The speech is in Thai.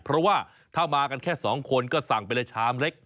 เพราะว่าถ้ามากันแค่สองคนก็สั่งไปเลยชามเล็ก